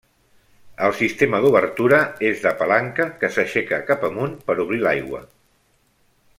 El sistema d'obertura és de palanca, que s'aixeca cap amunt per obrir l'aigua.